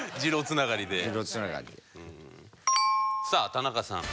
さあ田中さん。